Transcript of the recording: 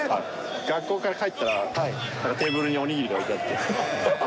学校から帰ったら、テーブルにおにぎりが置いてあって。